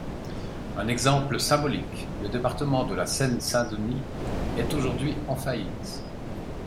Un exemple symbolique, le département de la Seine-Saint-Denis est aujourd’hui en faillite.